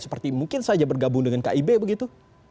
seperti mungkin saja bergabung dengan kib begitu